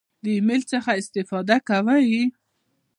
د ایمیل څخه استفاده کوئ؟